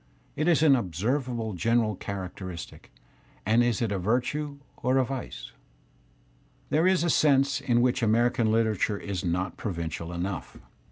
Is it an observable general characteristic, and is it a virtue or a vice? There is a sense in which American literature is not provincial enough.